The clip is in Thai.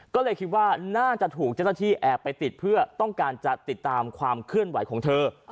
ก็เลยคิดว่าน่าจะถูกเจ้าหน้าที่แอบไปติดเพื่อต้องการจะติดตามความเคลื่อนไหวของเธอ